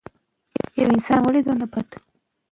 ځوانان د رواني ستونزو پر مهال چوپه خوله وي.